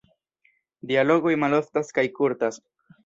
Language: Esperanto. Dialogoj maloftas kaj kurtas.